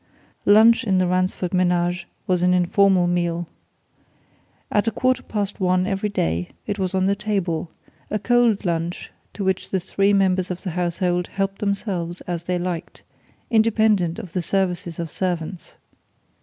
Lunch in the Ransford menage was an informal meal. At a quarter past one every day, it was on the table a cold lunch to which the three members of the household helped themselves as they liked, independent of the services of servants.